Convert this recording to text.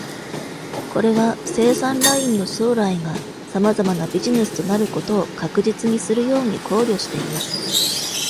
これは、生産ラインの将来が様々なビジネスとなることを確実にするように考慮しています。